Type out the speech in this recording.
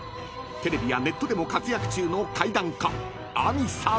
［テレビやネットでも活躍中の］